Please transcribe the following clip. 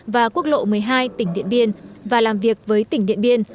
và quốc lộ một mươi hai tỉnh điện biên và làm việc với tỉnh điện biên